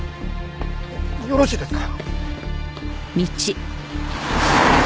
よろしいですか？